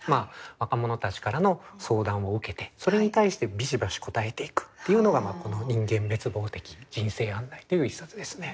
若者たちからの相談を受けてそれに対してビシバシ答えていくというのがこの「人間滅亡的人生案内」という一冊ですね。